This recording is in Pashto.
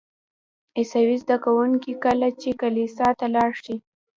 عیسوي زده کوونکي کله چې کلیسا ته لاړ شي.